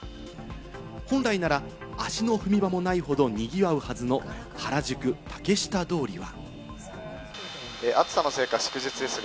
本来なら、足の踏み場もないほど賑わうはずの原宿竹下通りは。